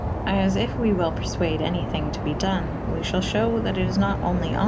As if we wyll perfuade any thynge to be done / we fhall fhewe that it is nat onely honeft »B.